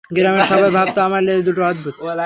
গ্রামের সবাই ভাবত আমার লেজ দুটো অদ্ভুত।